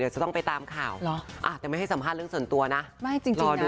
จะต้องไปตามข่าวแต่ไม่ให้สัมภาษณ์เรื่องส่วนตัวนะไม่จริงรอดู